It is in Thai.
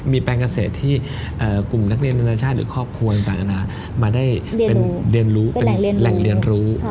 มีแปลงเกษตรที่กลุ่มนักเรียนรัฐชาติหรือครอบครัวต่างมาได้เป็นแหล่งเรียนรู้